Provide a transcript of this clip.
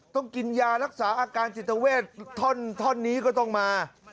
ต้องกินยารักษาอาการจิตเวทท่อนนี้ก็ต้องมา